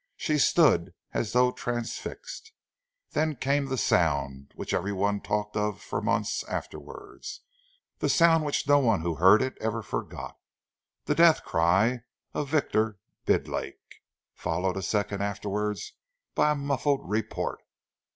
She stood as though transfixed. Then came the sound which every one talked of for months afterwards, the sound which no one who heard it ever forgot the death cry of Victor Bidlake, followed a second afterwards by a muffled report.